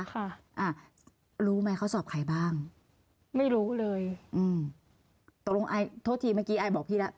ค่ะอ่ารู้ไหมเขาสอบใครบ้างไม่รู้เลยอืมตกลงไอโทษทีเมื่อกี้อายบอกพี่แล้ว